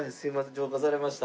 浄化されました。